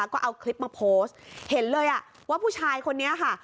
ก็เอาคลิปมาโพสต์เห็นเลยอ่ะว่าผู้ชายคนนี้ค่ะ